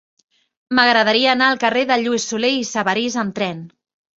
M'agradaria anar al carrer de Lluís Solé i Sabarís amb tren.